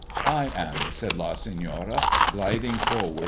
" I am," said La Senora, gliding {omaxd m\.